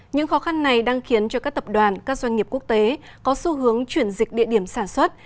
những khó khăn này đang khiến cho các tập đoàn các doanh nghiệp quốc tế có xu hướng chuyển dịch địa điểm sản xuất